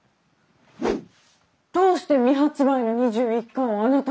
どうして未発売の２１巻をあなたが？